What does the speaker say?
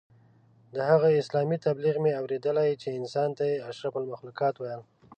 د هغه اسلام تبلیغ مې اورېدلی چې انسان ته یې اشرف المخلوقات ویل.